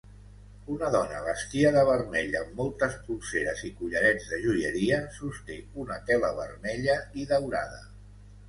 Una dona vestida de vermell amb moltes polseres i collarets de joieria sosté una tela vermella i daurada.